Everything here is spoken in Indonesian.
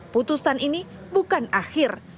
putusan ini bukan akhir